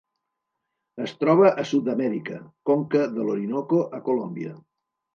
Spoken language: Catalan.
Es troba a Sud-amèrica: conca de l'Orinoco a Colòmbia.